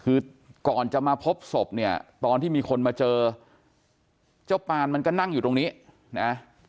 คือก่อนจะมาพบศพเนี่ยตอนที่มีคนมาเจอเจ้าปานมันก็นั่งอยู่ตรงนี้นะ